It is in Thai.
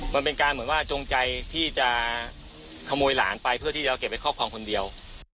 มันเป็นการเหมือนว่าจงใจที่จะขโมยหลานไปเพื่อที่จะเอาเก็บไว้ครอบครองคนเดียว